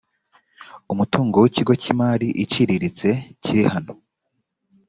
umutungo w ikigo cy imari iciriritse kiri hano